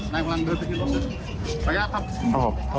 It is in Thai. นี่ครับ